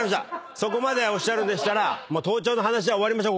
そこまでおっしゃるんでしたら盗聴の話は終わりましょうここで。